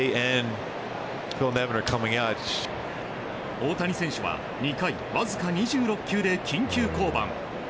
大谷選手は２回わずか２６球で緊急降板。